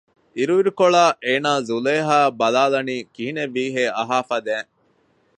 އިރުއިރުކޮޅާ އޭނާ ޒުލޭހާއަށް ބަލާލަނީ ކިހިނެއްވީހޭ އަހާ ފަދައިން